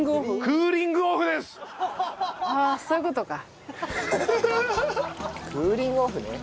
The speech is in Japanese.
クーリング・オフね。